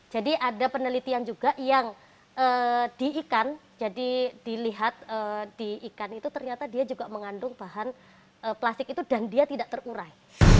jadi ada penelitian juga yang di ikan jadi dilihat di ikan itu ternyata dia juga mengandung bahan plastik itu dan dia tidak terurai